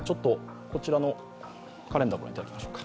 こちらのカレンダーを御覧いただきましょうか。